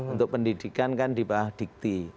untuk pendidikan kan di bawah dikti